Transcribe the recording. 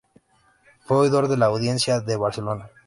Fue oidor de la Audiencia de Barcelona.